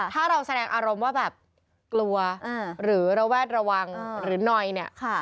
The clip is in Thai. ถ้าเราแสดงอารมณ์ว่าแบบกลัวหรือระแวดระวังหรือนอยเนี่ย